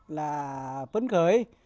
là phấn khởi